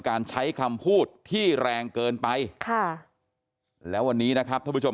การใช้คำพูดที่แรงเกินไปค่ะแล้ววันนี้นะครับท่านผู้ชม